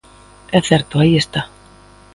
É certo, aí está.